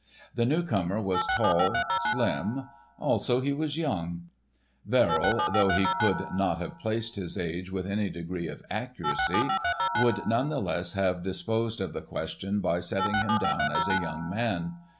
The newcomer was tall, slim. Also he was young; Verrill, though he could not have placed his age with any degree of accuracy, would none the less have disposed of the question by setting him down as a young man.